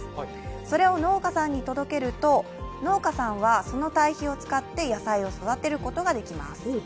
それを農家さんに届けると農家さんはその堆肥を使って野菜を育てることができます。